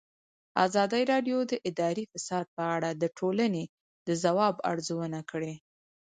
ازادي راډیو د اداري فساد په اړه د ټولنې د ځواب ارزونه کړې.